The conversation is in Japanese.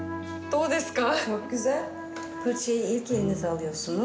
どうですか？